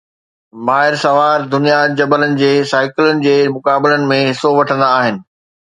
ماهر سوار دنيا جبلن جي سائيڪلن جي مقابلن ۾ حصو وٺندا آهن